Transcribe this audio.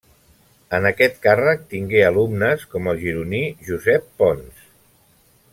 En aquest càrrec tingué alumnes com el gironí Josep Pons.